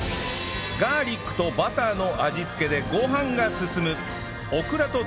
ガーリックとバターの味付けでご飯が進む